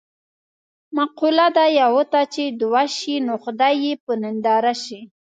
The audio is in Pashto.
مقوله ده: یوه ته چې دوه شي نو خدای یې په ننداره شي.